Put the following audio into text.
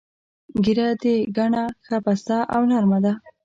ږیره دې ګڼه، ښه پسته او نر مه ده.